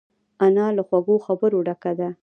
انا له خوږو خبرو ډکه ده